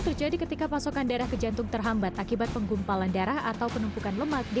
terjadi ketika pasokan darah ke jantung terhambat akibat penggumpalan darah atau penumpukan lemak di